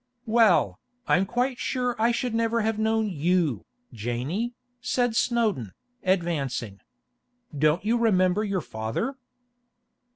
'Well, I'm quite sure I should never have known you, Janey,' said Snowdon, advancing. 'Don't you remember your father?